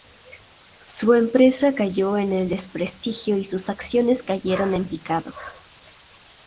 Su empresa cayó en el desprestigio y sus acciones cayeron en picado.